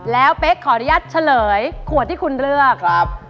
แล้วเป๊กขออนุญาตเฉลยขวดที่คุณเลือกครับ